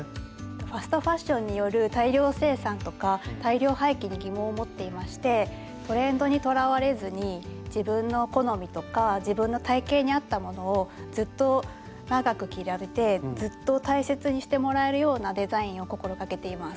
ファストファッションによる大量生産とか大量廃棄に疑問を持っていましてトレンドにとらわれずに自分の好みとか自分の体型に合ったものをずっと長く着られてずっと大切にしてもらえるようなデザインを心掛けています。